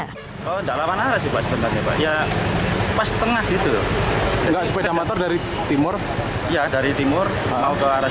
ketiga kaki yang terlalu berpengalaman di jalan raya bypass kelurahan meri kota mojokerto berlangsung dramatis